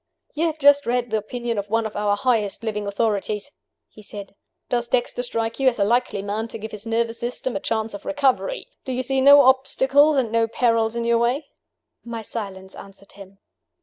"You have just read the opinion of one of our highest living authorities," he said. "Does Dexter strike you as a likely man to give his nervous system a chance of recovery? Do you see no obstacles and no perils in your way?" My silence answered him.